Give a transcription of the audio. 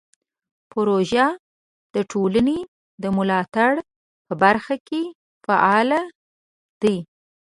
پروژه د ټولنې د ملاتړ په برخه کې فعال دی.